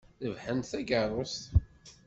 Rebḥen-d takeṛṛust.